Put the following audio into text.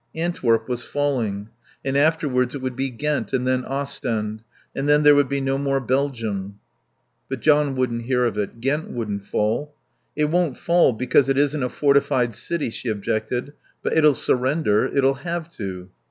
Antwerp was falling. And afterwards it would be Ghent, and then Ostend. And then there would be no more Belgium. But John wouldn't hear of it. Ghent wouldn't fall. "It won't fall because it isn't a fortified city," she objected. "But it'll surrender. It'll have to."